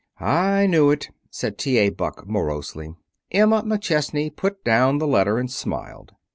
"I knew it," said T. A. Buck morosely. Emma McChesney put down the letter and smiled.